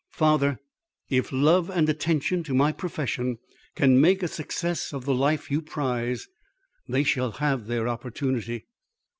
"Father, if love and attention to my profession can make a success of the life you prize, they shall have their opportunity."